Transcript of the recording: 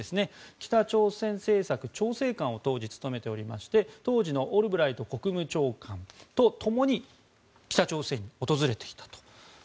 北朝鮮政策調整官を当時、務めておりまして当時のオルブライト国務長官と共に北朝鮮を訪れていたと。